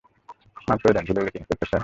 মাফ করে দেন, ভুল হয়ে গেছে ইন্সপেক্টার স্যার।